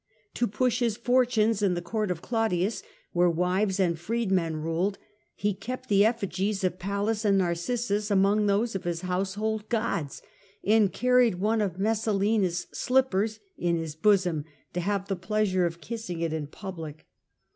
To push his'faXriu his fortunes in the court of Claudius, where wives and freedmen ruled, he kept the effi compiai gies of Pallas and Narcissus among those of his household gods, and carried one of Messalina's slippers in his bosom, to have the pleasure of kissing it in public.